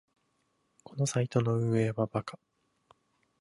このサイトの運営はバカ